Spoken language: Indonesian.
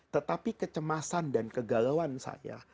tetapi kecemasan dan kegalauan saya